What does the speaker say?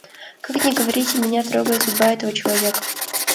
Как ни говорите, меня трогает судьба этого человека.